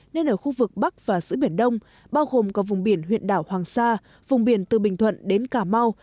nên ở khu vực bắc và giữa biển đông bao gồm có vùng biển huyện đảo hoàng sa vùng biển từ bình thuận đến cà mau